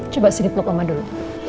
coba sini peluk oma dulu